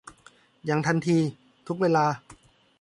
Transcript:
อย่างทันที ทุกเวลา